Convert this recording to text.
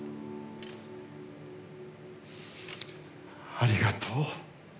ありがとう。